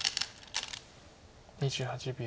２８秒。